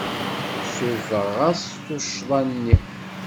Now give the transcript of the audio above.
Ssurfeɣ-as tuccḍa-nni.